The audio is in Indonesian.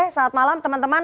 selamat malam teman teman